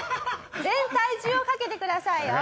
全体重をかけてくださいよ。